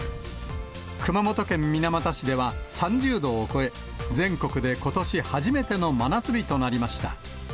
熊本県水俣市では、３０度を超え、全国でことし初めての真夏日となりました。